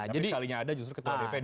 tapi sekalinya ada justru ketua dpd